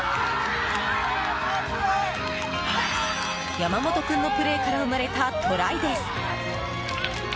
山本君のプレーから生まれたトライです。